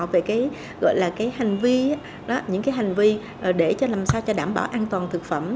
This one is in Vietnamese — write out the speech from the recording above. về những hành vi để làm sao đảm bảo an toàn thực phẩm